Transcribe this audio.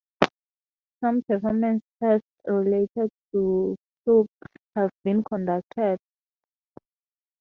Some performance tests related to cloop have been conducted.